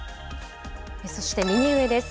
そして右上です。